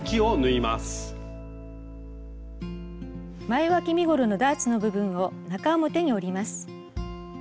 前わき身ごろのダーツの部分を中表に折ります。